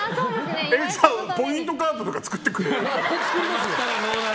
じゃあ、ポイントカードとか作ってくれる？